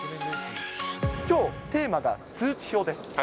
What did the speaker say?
きょう、テーマが通知表です。